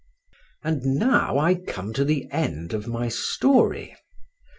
And now I come to the end of my story.